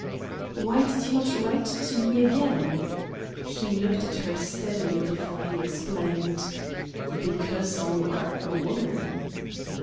"Why did you not write to me again?" He looked at her steadily before he explained: "Because you are a woman."